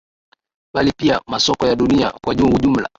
bali pia masoko ya dunia kwa ujumla